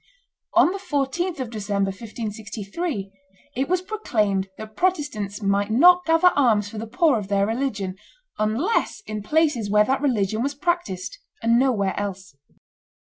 On the 14th of December, 1563, it was proclaimed that Protestants might not gather alms for the poor of their religion, unless in places where that religion was practised, and nowhere else.